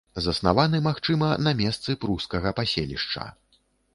Заснаваны, магчыма, на месцы прускага паселішча.